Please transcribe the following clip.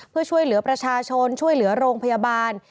เพื่อช่วยเหลือประชาชนช่วยเหลือโรงพยาบาล